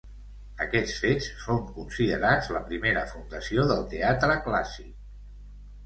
Aquests fets són considerats la primera fundació del teatre clàssic.